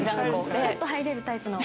すっと入れるタイプの。